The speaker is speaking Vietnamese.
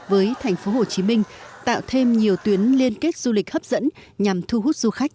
với thành phố hồ chí minh tạo thêm nhiều tuyến liên kết du lịch hấp dẫn nhằm thu hút du khách